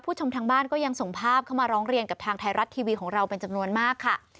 ชมทางบ้านก็ยังส่งภาพเข้ามาร้องเรียนกับทางไทยรัฐทีวีของเราเป็นจำนวนมากค่ะ